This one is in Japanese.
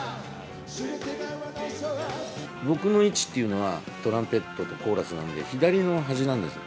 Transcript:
僕の位置っていうのは、トランペットとコーラスなんで、左の端なんです。